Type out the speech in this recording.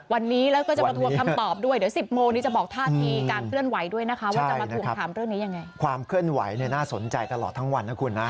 วันนี้แล้วก็จะมาถูกคำตอบด้วย